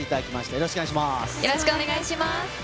よろしくお願いします。